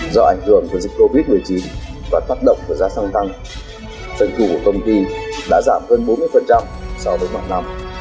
do ảnh hưởng của dịch covid một mươi chín và tác động của giá xăng tăng sân khủ của công ty đã giảm hơn bốn mươi so với mặt nào